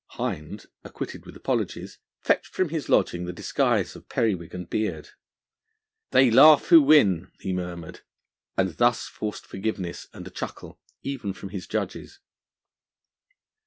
Hind, acquitted with apologies, fetched from his lodging the disguise of periwig and beard. 'They laugh who win!' he murmured, and thus forced forgiveness and a chuckle even from his judges.